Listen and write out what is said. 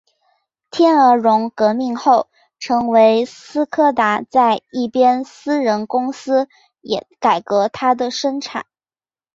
天鹅绒革命后成为斯柯达在一边私人公司也改革它的生产。